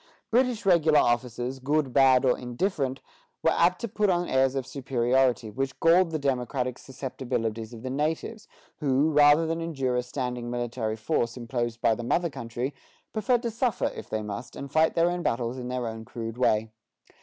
British regular officers, good, bad, or indifferent, were apt to put on airs of superiority which galled the democratic susceptibilities of the natives, who, rather than endure a standing military force imposed by the mother country, preferred to suffer if they must, and fight their own battles in their own crude way.